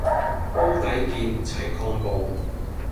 煲底見齊抗暴